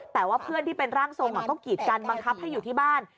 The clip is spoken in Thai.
แต่ว่าเพื่อนที่เป็นร่างทรงก็กีดกันบังคับให้อยู่ที่บ้าน